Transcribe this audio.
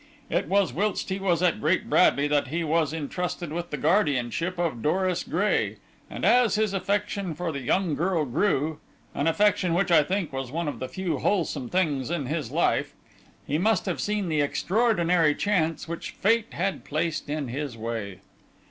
"It was whilst he was at Great Bradley that he was entrusted with the guardianship of Doris Gray, and as his affection for the young girl grew an affection which I think was one of the few wholesome things in his life he must have seen the extraordinary chance which fate had placed in his way.